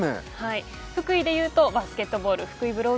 福井でいうとバスケットボール福井ブロー